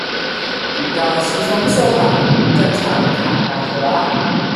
古道西風瘦馬，斷腸卡納赫拉